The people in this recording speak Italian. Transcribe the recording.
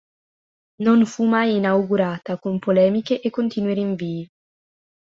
Non fu mai inaugurata, con polemiche e continui rinvii.